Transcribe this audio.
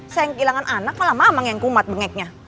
sayang kehilangan anak malah mamang yang kumat bengeknya